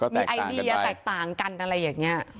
มีไอเดียแตกต่างกันอะไรอย่างนี้